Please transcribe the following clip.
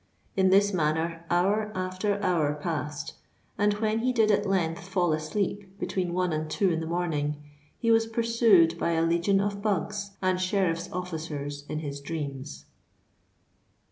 In this manner hour after hour passed; and, when he did at length fall asleep between one and two in the morning, he was pursued by a legion of bugs and sheriff's officers in his dreams.